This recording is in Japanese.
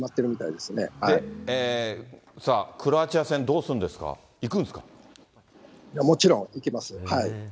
で、クロアチア戦、どうするんですか、もちろん行きます。